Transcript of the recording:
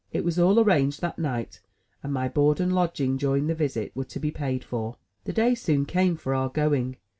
It was all arranged that night, and my board and lodging during the visit were to be paid for. The day soon came for our going.